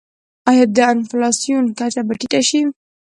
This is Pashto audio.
آیا د انفلاسیون کچه به ټیټه شي؟